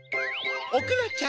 おくらちゃん